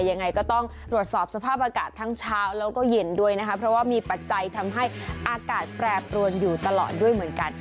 ยังไงก็ต้องตรวจสอบสภาพอากาศทั้งเช้าแล้วก็เย็นด้วยนะคะเพราะว่ามีปัจจัยทำให้อากาศแปรปรวนอยู่ตลอดด้วยเหมือนกัน